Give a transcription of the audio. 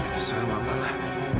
terserah mama lah